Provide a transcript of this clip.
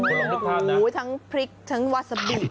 โอ้โหทั้งพริกทั้งวาซาบิ